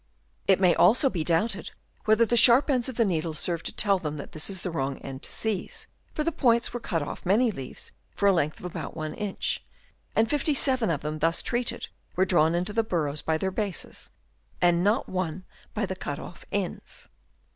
Chap. II. THEIR INTELLIGENCE. 75 It may also be doubted, whether the sharp ends of the needles serve to tell them that this is the wrong end to seize ; for the points were cut off many leaves for a length of about one inch, and fifty seven of them thus treated were drawn into the burrows by their bases, and not one by the cut off ends.